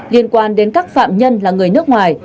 liên quan đến các phạm nhân là người nước ngoài